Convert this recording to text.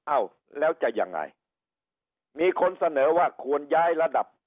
อ้าวแล้วจะยังไงมีคนเสนอว่าควรย้ายระดับ